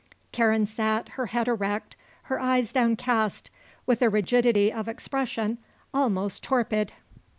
Karen sat, her head erect, her eyes downcast, with a rigidity of expression almost torpid.